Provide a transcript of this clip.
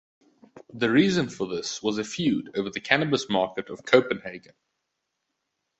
The reason for this was a feud over the cannabis market of Copenhagen.